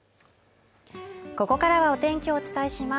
ここからはお天気をお伝えします